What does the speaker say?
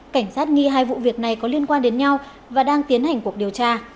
cảnh sát nghi hai vụ việc này có liên quan đến nhau và đang tiến hành cuộc điều tra